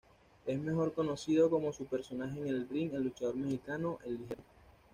Es mejor conocido como su personaje en el ring, el luchador mexicano, El Ligero.